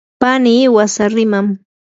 pani wasariman.